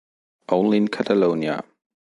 Only in Catalonia.